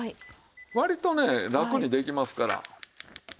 割とね楽にできますから。